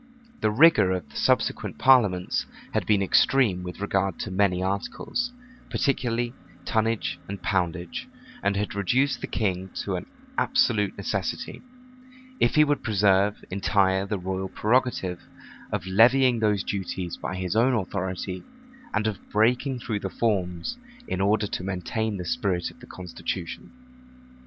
The rigor of the subsequent parliaments had been extreme with regard to many articles, particularly tonnage and poundage; and had reduced the king to an absolute necessity, if he would preserve entire the royal prerogative, of levying those duties by his own authority, and of breaking through the forms, in order to maintain the spirit of the constitution.